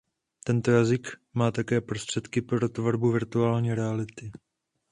Tento jazyk má také prostředky pro tvorbu virtuální reality.